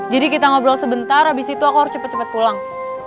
jadi kita ngobrol sebentar abis itu aku harus cepet cepet pulang